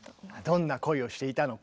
どんな恋をしていたのか。